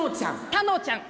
たのちゃん！